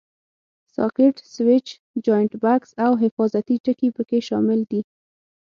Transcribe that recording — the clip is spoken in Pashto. ساکټ، سویچ، جاینټ بکس او حفاظتي ټکي پکې شامل دي.